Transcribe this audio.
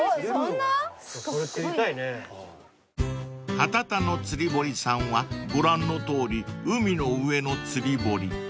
［カタタの釣堀さんはご覧のとおり海の上の釣り堀］